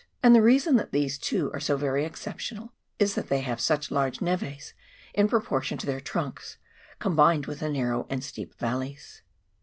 And the reason that these two are so very exceptional is that they have such large n4vds in pro portion to their trunks, combined with the narrow and steep valleys.